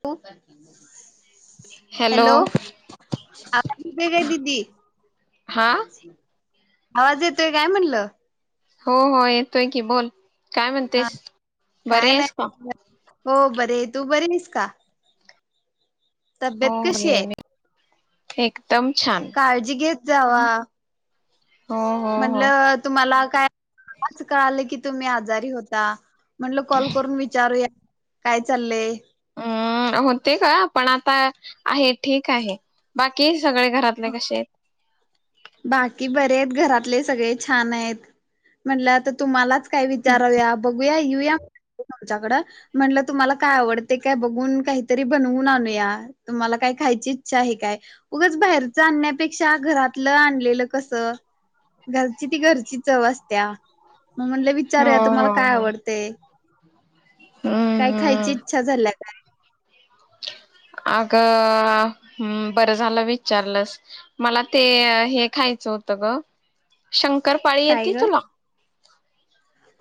[inaudible] Hello आवाज येतोय काय? दीदी. हा आवाज येतोय काय म्हणलं? हो हो येतोय की बोल. काय हा म्हणतेस काय बरे आहेस का नाही. [inaudible] हो बरी तू बरी आहेस? का तब्येत कशी आहे? ठीक. [unintelligible] छान जावा. हो हो हो म्हंटलं तुम्हाला काय [unintelligible] कळालं की तुम्ही आजारी होता. म्हटल कॉल करून विचारूया. काय चाललंय? हम्म होती गं पण आता आहे ठीक आहे. बाकी सगळे घरातले कशे आहेत? बाकी बरे आहेत. घरातले सगळे छान आहेत. म्हणलं आता तुम्हालाच? काय विचारुया? बघूया यिऊया? तुमच्याकडं म्हंणलं तुम्हाला काय आवडतय काय बघून काहीतरी बनवून आणूया. तुम्हाला काय खायची इच्छा आहे काय? उगाच बाहेरचं आणण्यापेक्षा घरात तलं आणलेलं कसं घरची ती घरची चव असत्या. मग म्हणलं हो विचारूया तुम्हाला हो काय हो आवडतय? हम्म काय खायची हम्म इच्छा झाल्या काय? अगं बरं झालं विचारलंस मला ते हे खायचं होतं ग शंक कर पाळी काय येती ग तुला?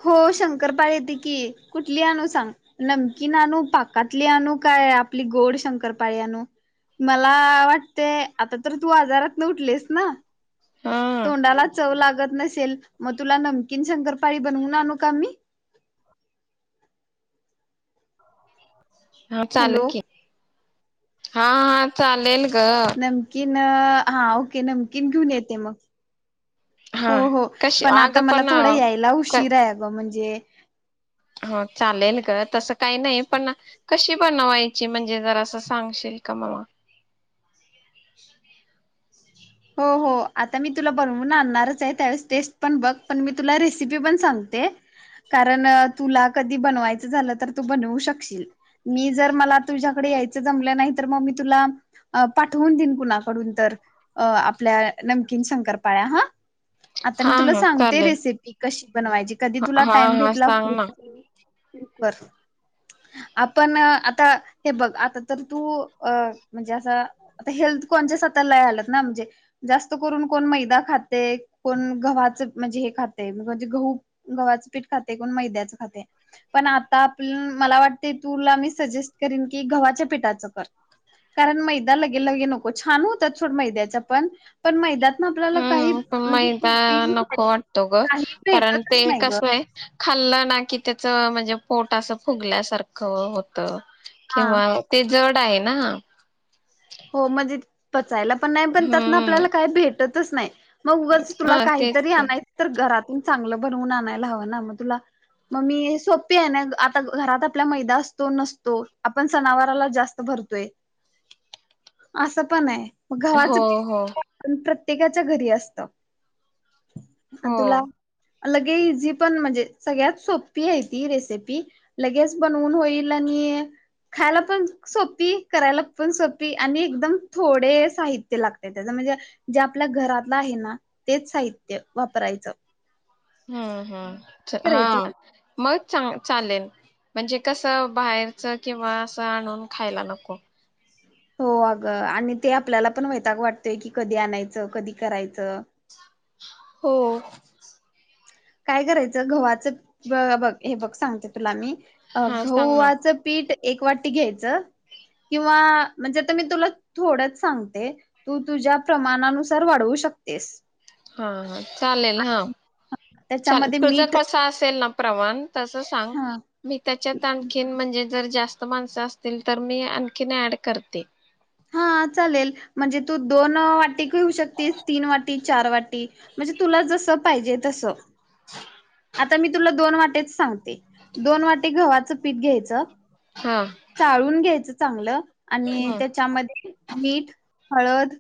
हो शंकरपाळी येते की. कुठली आणू सांग? नमकीन आणू? पाकातली आणू? काय आपली गोड शंकरपाळी आणू? मला वाटतंय आता तर तू आजारात न उठलीयेस ना? हम्म तोंडाला चव लागत नसेल. मग तुला नमकीन शंकरपाळी बनवून आणू का मी? हा चालेल हॅलो की हा हा चालेल. ग नमकीन हा ओके नमकीन घेऊन येते मग हो हा हो कशी पण आता अगं मला पण थोडं यायला उशीर आहे अगं म्हणजे जे हा चालेल ग तसं काही नाही पण कशी बनवायची म्हणजे जरा असं सांगशील का मला? हो हो आता मी तुला बनवून आणणारच आहे त्यावेळेस टेस्ट पण बघ पण मी तुला रेसिपी पण सांगते. कारण तुला कधी बनवायचं झालं तर तू बनवू शकशील. मी जर मला तुझ्याकडे यायचं जमलं नाही तर मग मी तुला पाठवून देईन कुणाकडून तर. अ आपल्या नमकीन शंकरपाळ्या हा. आता मी हा तुला हा सांगते चालेल रेसिपी कशी बनवायची. कधी तुला हा टाइम हा भेटला सांग ना करून बरं. आपण आता हे बघ आता तर तू म्हणजे असं आता हेल्थ कॉनजेयस आता लय आल्यात म्हणजे जास्त करून कोण मैदा खाते. कोण गव्हाच म्हणजे हे खाते. म्हणजे गहू गव्हाचं पीठ खाते. कोण मैद्याच खाते. पण आता आप मला वाटत तुला मी सजेस्ट करीन की गव्हाच्या पीठाचं कर. कारण मैदा लगे लगे नको छान होत्यात सोड मैदा मैद्याचं पण पण मैदा हम्म पण मैदा नको वाटतो गं. काही कारण ते भेटतच नाही ग कसाय खाल्लं ना कि त्या नं म्हणजे पोट असं फुगल्यासारखं होत. हा किंवा ते जड जड आहे ना. हो म्हणजे पचायला पण नाही पण त्यातन हम्म आपल्याला काय भेट भेटतच नाही. मग उगच तुला हा तेच काहीतरी ते आणायच तर घरात. चांगलं बनवून आणायला हवं ना? मग तुला मग मी सोप्पी आहे ना आता घरात आपला मैदा असतो, नसतो. आपण सनावराला जास्त भरतोय. असं पण हाय मग गव्हाचं हो हो पीट [unintelligible] प्रत्येकाच्या घरी असत. आण हो तुला लगे इझी पण म्हणजे सगळ्यात सोपी आहे ती रेसिपी लगेच बनवून होईल आणि खायला पण सोपी, करायला पण सोपी ती आणि एकदम थोडे साहित्य लागतय त्याज म्हणजे जे आपल्या घरातलं आहे ना तेच साहित्य वापरायचं. हम्म हम् हा करायचं मग चांगलं चालेल म्हणजे कसं बाहेरच किंवा असं आणून खायला नको. हो अगं आणि ते आपल्याला पण वैताग वाटतय की कधी आणायचं, कधी करायचं. हो काय करायचं गव्हाचं बघ हे बघ सांगते तुला मी अ हा सांग ना गव्हाच पीठ एक वाटी घ्यायचं किंवा म्हणजे आता मी तुला थोडच सांगते तू तुझ्या प्रमाणानुसार वाढवू शकतेस. हा हा चालेल हा चाल त्याच्यामध्ये तुझा मीठ कस असेल ना प्रमाण तस सांग हा मी त्याच्या आणखीन म्हणजे जर जास्त माणसं असतील तर मी आणखीन ऍड करते. हा चालेले म्हणजे तू दोन वाटी घेऊ शकतिस तीन वाटी चार वा टी म्हणजे तुला जसं पाहिजे तसं आता मी तुला दोन वाट्याच सांगते, दोन वाटे गव्हाचं पीठ घ्यायचं. हा चाळून घ्यायचं चांगलं आणि हम्म. त्याच्यामध्ये मीठ हळद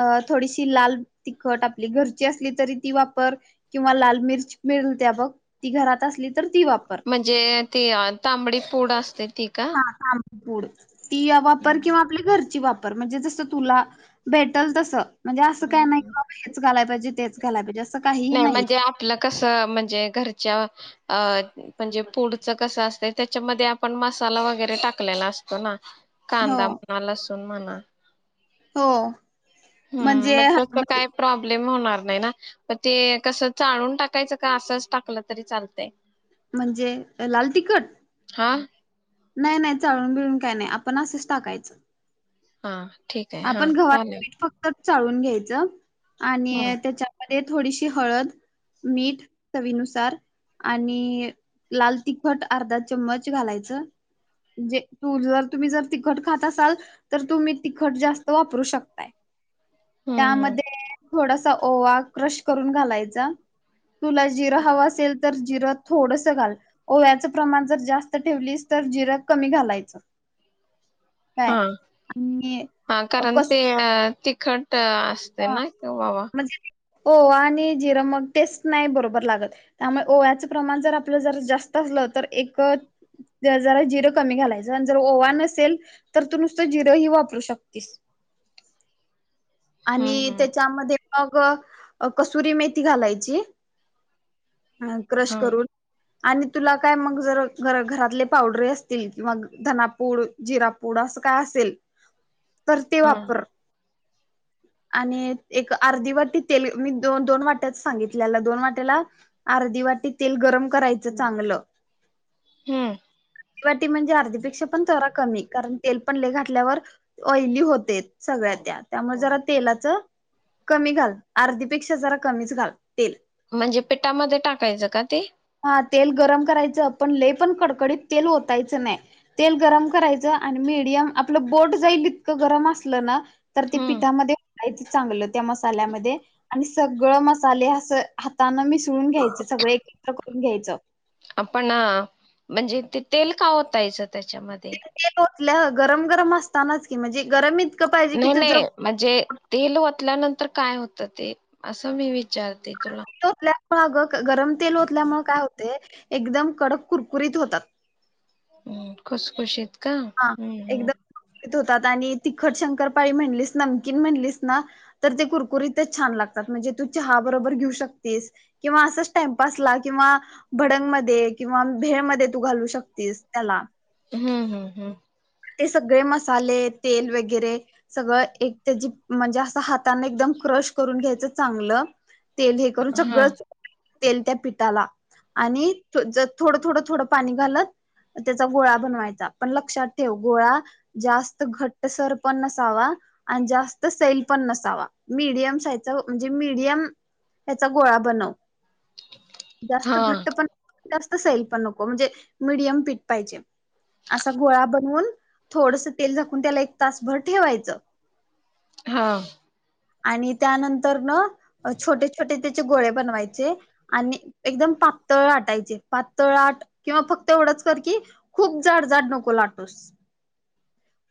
अ थोडीशी लाल तिखट आपली घरची असली तरी ती वापर किंवा लाल मिर्च मिळत्या बघ ती घरात असली तर ती वापर म्हणजे ती तांबडी पूड असते ती का? हा ताम पूड ती वापर किंवा आपली घरची वापर पर म्हणजे जस तुला भेटल तस म्हणजे असं काही हम्म. नाही बाबा हेच घालाय मजे तेच घालाय पायजे नाही म्हणजे आपलं कसं म्हणजे घर च अ म्हणजे पुढचं कसं असतय त्याच्यामध्ये आपण मसाला वगैरे टाकलेला असतो ना? हो कांदा म्हणा लसू [unintelligible] हो. ह म्हणजे मग हा तस म्हणजे काय प्रॉब्लेम होणार नाही ना पर ते कस चालून टाकायचं का असंच टाकलं तरी चालतय. म्हणजे लाल तिखट हां नाही नाही चाळून बिळून काय नाय आपण असच टाकायचं. हा ठीक आहे हा आपण गव्हाच चालेल पीठ फक्त चाळून घ्यायचं हम्म आणि त्याच्यावर ते थोडीशी हळद मीठ चवीनुसार आणि लाल तिखट अर्धा चम्मच घालायचं जे तू जर तुम्ही जर तिखट खात असाल तर तुम्ही ति खट जास्त वापरू शकताय. हम्म त्यामध्ये थोडासा ओवा क्रश करून घालायचा. तुला जिरं हवं असेल तर जिरं थोडस घाल ओव्याचं प्रमाण जर जास्त ठेवलीस तर जिरं कमी घालायचं. काय हा. आणि हा कारण ते कसुरी ते [inaudible] असते हा ना त ववा म्हणजे ओवा आणि जिरं मग टेस्ट नाही बरोबर लागत त्यामुळे ओव्याचं प्रमाण जर आपलं जर जास्त असलं तर एक जरा जिरं कमी घालायचं आणि जर ओवा नसेल तर तू नुसतं जिरं ही वापरू शकतीस. हम्म आणि हम्म. त्याच्यामध्ये अग कस्तुरी मेथी घालायची. अ क्रश हा करून. आणि तुला काय मग जर गर घरातले पावडर असतील किंवा धनापूड, जिरापूड अस काय असेल तर ते हा वापर आणि एक अर्धी वाटी तेल मी द दोन वाट्याला सांगितलेला दोन वाट्याला अर्धी वाटी तेल गरम करायचं चांगलं हूं अर्धी वाटी म्हणजे अर्धी पेक्षा पण जरा कमी कारण तेल पण लय घाातल्यावर ऑइली होते सगळ्या त्या त्यामुळे जरा तेलाच कमी घाल अर्धीपेक्षा जरा कमीच घाल तेल म्हणजे पिठामध्ये टाकायचं का ते हा तेल गरम करायचं पण लय पण कडकडीत तेल होतायचं नाही तेल गरम करायचं आणि मीडियम आपलं बोट जाईल इतकं गरम असलं ना तर ते हम्म. पिठामध्ये नाहीच चांगलं त्या मसाल्यामध्ये आणि सगळं मसाले असं हाताने मिस ळून घ्यायच सगळे एकत्र करू घ्यायचा आपणा म्हणजे ते तेल का ओतायचा? त्याच्यामध्ये कुठलं गरम-गरम असतानाच की गरम इतकं पाहिजे की नाही-नाही तुझं म्हणजे ओतयला नंतर काय होते ते? असं मी विचारते! तुला ओतल्यामुळे अगं गरम तेल ओतल्यामुळे काय होतय? एकदम कडक कुरकुरीत होतात. हम्म खुसखुशीत का हा हम्म हम एकदम कुरकुरीत होतात आणि तिखट शंकरपाळी म्हणलीस, नमकीन म्हणलीस ना ते कुरकुरीत छान लागतात म्हणजे तू चहा बरोबर घेऊ शकतेस किंवा असाच टाइमपासला किंवा भडंगमध्ये किंवा भेळमध्ये तू घालू शकतेस त्याला. हम्म, हम्म, हम्म ते सगळे मसाले, तेल वगैरे सगळं एक त्याची म्हणजे असं हाताने एकदम क्रश करून घ्यायचं चांगलं तेल हे करून हा सगळचं तेल त्या पिठाला आणि जर थोडं, थोडं, थोडं पाणी घालत त्याचा गोळा बनवायचा पण लक्षात तेव गोळा जास्त घट्ट सर पण नसावा आणि जास्त सैल पण नसावा, मिडीयम साइजचा म्हणजे मिडीयम त्याचा गोळा बनवं. जास्त हा घट्ट पण जास्त सैल पण नको म्हणजे मिडीयम पीट पाहिजे असा गोळा बन वून थोडसा तेल झाकून त्याला एक तासभर ठेवायचा. हा आणि त्यानंतर न छोटे-छोटे त्याचे गोळे बनवायचे आणि एकदम पातळ लाटायचे, पातळ लाट किंवा फक्त एवढंच कर की खूप जाड-जाड नको ला खस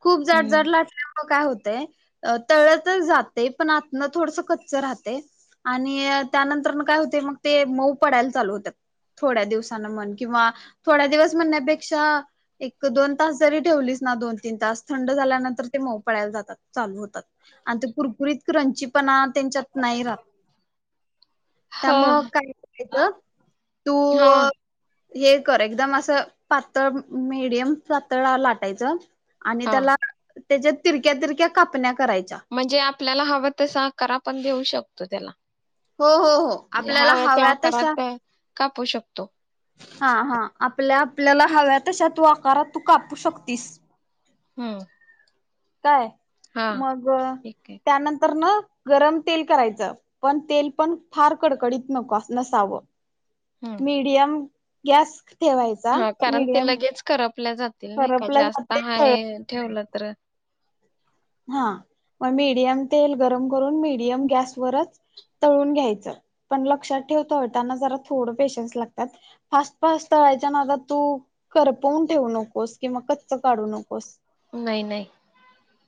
खूप हम्म जाड-जाड लाटल्यावर मग काय होतय तळलं तर जाते पण आतनं थोडस कच्चा राहते आणि त्यानंतर न काय होते मग ते मऊ पडायला चालू होत्यात, थोड्या दिवसान म्हण किंवा थोड्या दिवस म्हणण्यापेक्षा एक-दोन तास जरी ठेवली दोन-तीन तास थंड झाल्यानंतर मग मऊ पडायला जातात चालू होतात आणि ते कुरकुरीत क्रंची पण त्यांच्यात नाही राहत, तत्यामुळं ह काही चुकीचं तू हा हे कर एकदम असं पातळ, मीडियम पातळा लाटायचं आणि हा त्याला त्याच्या तिरक्या तिरक्या कापण्या करायच्या म्हणजे आपल्याला हवं तसा आकार आपण देऊ शक तो त्याला हो हो हो म्हणजे आपल्याला हवं त्या हव्या तशा आकारात अ, कापू शकतो हा हा आपल्या आपल्याला हव्या तशा तू आकारात तू कापू शकतीस हम्म काय हा मग ठीक आहे त्यानंतर न गरम तेल करायचं पण तेल पण फार कडकडीत नको नसावं हम्म मीडियम गॅस ठेवायचा मीडियम पल्या जातील नाही का करपला जास्त जाते तळ हाय ठेवलं तर हा मेडियम तेल गरम करून मडियम गॅसवरच तळून घ्यायचं, पण लक्षात ठेव तळताना जरा थोड पेशन्स लागतात, फास्ट फास्ट तळायच्या नादात तू करपवून ठेवू नकोस किंवा कच्च काढू नकोस. नाही नाही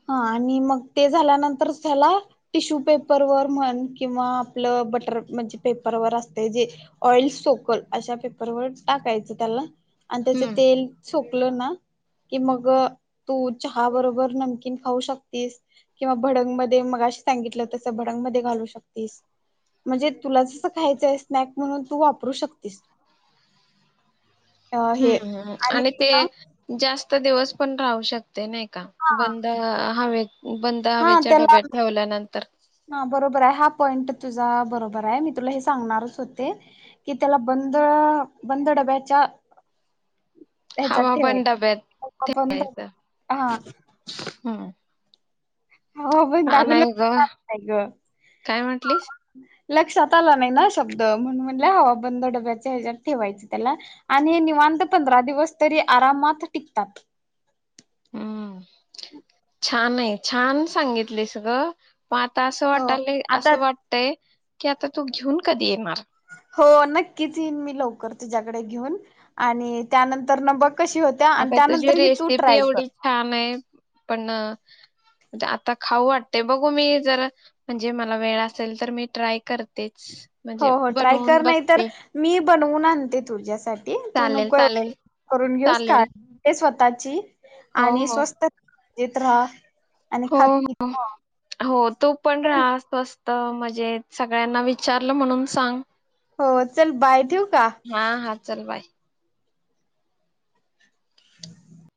हा आणि मग ते झाल्यानंतर त्याला टिश्यू पेपरवर म्हण किंवा आपलं बटर म्हणजे पेपरवर असते जे ऑइल सोकल अशा पेपरवर टाकायचं त्याला आणि त्याचे हम्म तेल सुक फुल्ल ना कि मग तू चहा बरोबर न खाऊ शकतीस किंवा भडंगमध्ये मघाशी सांगितलं तस भडंगमध्ये घालू शकतीस, म्हणजे तुला जस खायचंय स्नॅक म्हणून तू वापरू शकतीस. अ हे हम्म हम्म आणि ते जास तो दिवस पण राहू शक ते नाही का हा बंद हवे बंद हा हवेच्या त्याला डब्यात ठेवल्यानंतर पॉईंट तुझा बरोबर आहे, मी तुला हे सांगणारच होते की त्याला बंद बंद डब्याच्या ह्याच्यात हवा बंद ठेवायचं डब्यात हवा बंद ठेवायचाय हा हम्म हो पण हा नाही ग [unintelligible] काय म्हटलीस लक्षात आलं नाही ना शब्द म्हणून म्हटल हवा बंद डब्याच्या ह्याच्यात ठेवायचं त्याला आणि निवांत पंधरा दिवस तरी आरामात टिकतात. हम्म छान आहे छान सांगितलीस ग म आता असं हो वाटालय आता असं वाटतय की आता तू घेऊन कधी येणार हो नक्कीच यीन मी लवकर तुझ्याकडे घेऊन आणि त्यानंतरन बघ कशी होत्या आणि अग तुझी त्यानंतर ही तू रेसिपी ट्राय कर एवढी छान आहे पण आता खाऊ वाट ते बघू मी जरा म्हणजे मला वेळ असेल तर मी ट्राय करते. हो हो ट्राय कर नाही तर मी बनवून आणते तुझ्यासाठी टी तू चालेल नको चालेल एवढ करून घेऊस काळ चालेल घे स्वतःची [unintelligible] हो आणि स्वस्त येत रहा हो हो हो तू पण रहा स्वस त मजेत सगळ्यांना विचारलं म्हणून सांग. हो चल बाय ठेवू का हा हा चल बाय [inaudible]